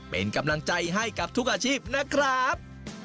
เป็นกำลังใจให้กับทุกอาชีพนะครับ